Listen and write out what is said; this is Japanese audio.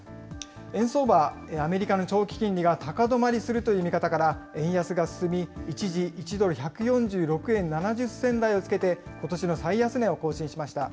円相場、アメリカの長期金利が高止まりするという見方から、円安が進み、一時１ドル１４６円７０銭台をつけて、ことしの最安値を更新しました。